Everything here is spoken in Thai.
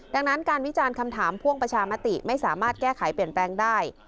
ดังนั้นการวิจารณ์คำถามพ่วงประชามติไม่สามารถแก้ไขเปลี่ยนแปลงได้